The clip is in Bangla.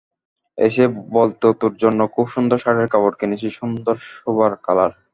এসে বলত তোর জন্য খুব সুন্দর শার্টের কাপড় কিনেছি, সুন্দর সোবার কালার।